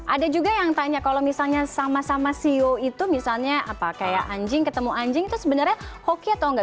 ada juga yang tanya kalau misalnya sama sama sio itu misalnya apa kayak anjing ketemu anjing itu sebenarnya hoki atau nggak